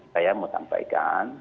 saya mau sampaikan